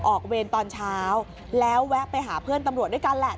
เวรตอนเช้าแล้วแวะไปหาเพื่อนตำรวจด้วยกันแหละ